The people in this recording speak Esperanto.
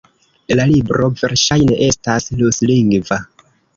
La libro verŝajne estas ruslingva.